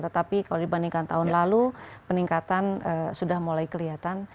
tetapi kalau dibandingkan tahun lalu peningkatan sudah mulai kelihatan